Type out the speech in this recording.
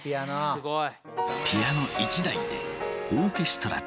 すごい。